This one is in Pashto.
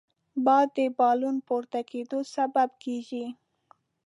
باد د بالون پورته کېدو سبب کېږي